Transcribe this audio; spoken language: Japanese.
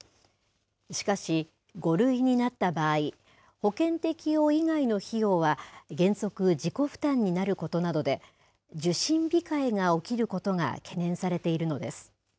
しかし、５類になった場合、保険適用以外の費用は原則、自己負担になることなどで、受診控えが起きることが懸念されているのです。